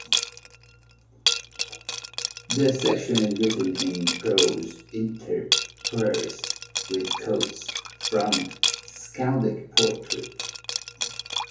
The section is written in prose interspersed with quotes from skaldic poetry.